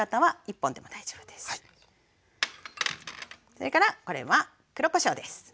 それからこれは黒こしょうです。